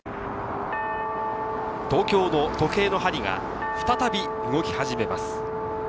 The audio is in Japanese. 東京の時計の針が再び動き始めます。